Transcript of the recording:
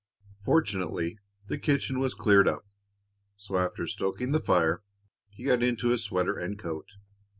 Fortunately, the kitchen was cleared up, so after stoking the fire he got into his sweater and coat.